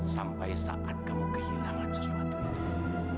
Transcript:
sampai saat kamu kehilangan sesuatu itu